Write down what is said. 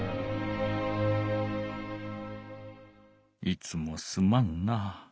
いつもすまんな。